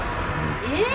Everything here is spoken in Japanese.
えっ！？